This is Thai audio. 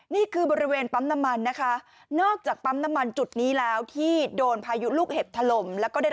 ในบริเวณปั๊มน้ำมันนอกจากปั๊มน้ำมันจุดนี้แล้วที่โดนภายุลูกเห็บทะลม